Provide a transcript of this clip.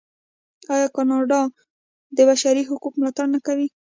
آیا کاناډا د بشري حقونو ملاتړ نه کوي؟